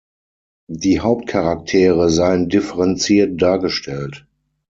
Die Hauptcharaktere seien differenziert dargestellt.